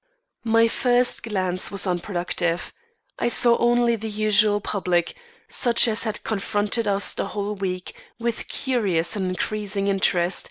My first glance was unproductive. I saw only the usual public, such as had confronted us the whole week, with curious and increasing interest.